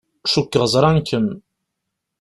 Cukkeɣ ẓran-kem.